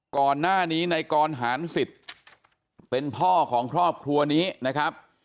ก่อนหน้านี้ในกรหารสิทธิ์เป็นพ่อของครอบครัวนี้นะครับ